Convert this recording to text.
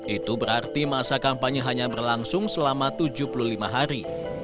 itu berarti masa kampanye hanya berlangsung selama tujuh puluh lima hari